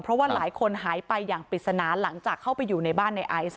เพราะว่าหลายคนหายไปอย่างปริศนาหลังจากเข้าไปอยู่ในบ้านในไอซ์